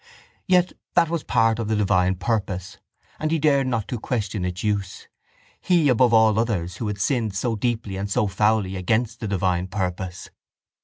Yet that was part of the divine purpose and he dared not question its use, he above all others who had sinned so deeply and so foully against the divine purpose.